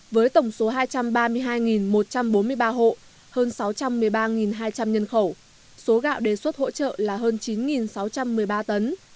với tổng số hai trăm ba mươi hai một trăm bốn mươi ba hộ hơn sáu trăm một mươi ba hai trăm linh nhân khẩu số gạo đề xuất hỗ trợ là hơn chín sáu trăm một mươi ba tấn